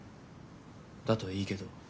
だといいけど。